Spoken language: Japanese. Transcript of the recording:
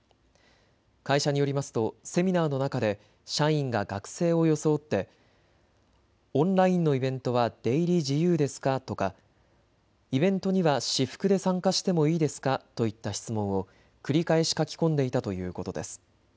会社によりますとセミナーの中で社員が学生を装ってオンラインのイベントは出入り自由ですかとかイベントには私服で参加してもいいですかといった質問を繰り返し書き込んでいたということです。